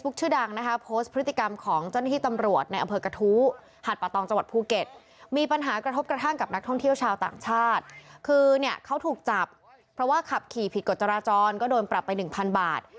คือเนี่ยเขาถูกจับเพราะว่าขับขี่ผิดกฎจราจรก็โดนปรับไป๑๐๐บาท